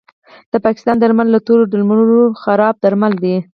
د پاکستان درمل له ټولو درملو خراب درمل دي